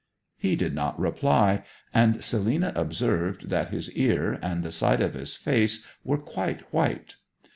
He did not reply, and Selina observed that his ear and the side of his face were quite white.